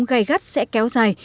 nóng gai gắt sẽ kéo dài